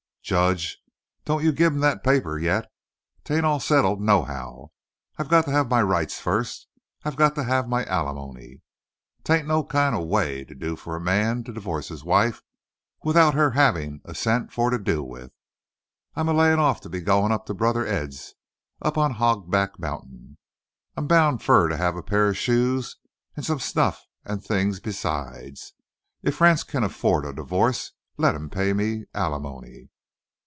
"Judge, don't you give him that air paper yit. 'Tain't all settled, nohow. I got to have my rights first. I got to have my ali money. 'Tain't no kind of a way to do fur a man to divo'ce his wife 'thout her havin' a cent fur to do with. I'm a layin' off to be a goin' up to brother Ed's up on Hogback Mount'in. I'm bound fur to hev a pa'r of shoes and some snuff and things besides. Ef Rance kin affo'd a divo'ce, let him pay me ali money."